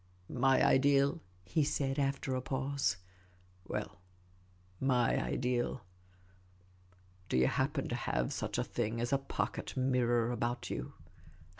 " My ideal ?" he said, after a pause. " Well, my ideal — do you happen to have such a thing as a pocket mirror about you